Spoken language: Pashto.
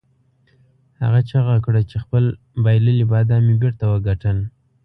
هغه چیغه کړه چې خپل بایللي بادام مې بیرته وګټل.